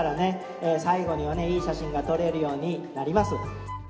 最後にはねいい写真が撮れるようになります。